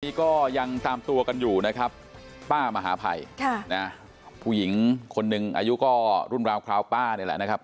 นี่ก็ยังตามตัวกันอยู่นะครับป้ามหาภัยค่ะนะผู้หญิงคนหนึ่งอายุก็รุ่นราวคราวป้านี่แหละนะครับ